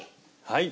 はい。